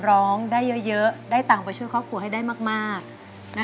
ร้องได้เยอะได้ตังค์ไปช่วยครอบครัวให้ได้มาก